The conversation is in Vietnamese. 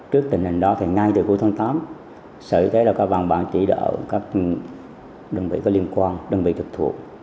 trước tình hình đó thì ngay từ cuối tháng tám sở y tế đã có văn bản chỉ đạo các đơn vị có liên quan đơn vị trực thuộc